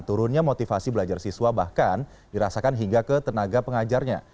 turunnya motivasi belajar siswa bahkan dirasakan hingga ke tenaga pengajarnya